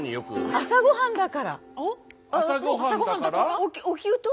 朝ごはんだから？